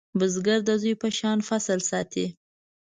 بزګر د زوی په شان فصل ساتي